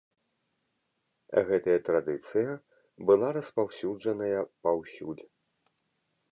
Гэтая традыцыя была распаўсюджаная паўсюль.